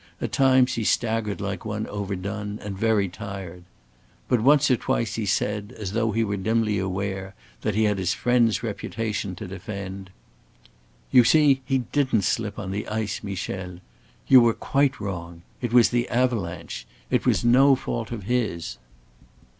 At times he staggered like one overdone and very tired. But once or twice he said, as though he were dimly aware that he had his friend's reputation to defend: "You see he didn't slip on the ice, Michel. You were quite wrong. It was the avalanche. It was no fault of his."